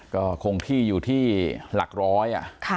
ก็คงที่อยู่ที่หลักร้อย